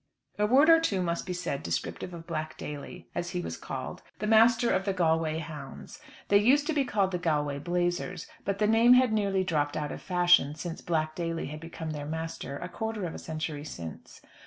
A word or two must be said descriptive of Black Daly, as he was called, the master of the Galway hounds. They used to be called the Galway blazers, but the name had nearly dropped out of fashion since Black Daly had become their master, a quarter of a century since.